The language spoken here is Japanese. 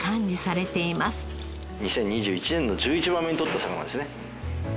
２０２１年の１１番目に取った魚ですね。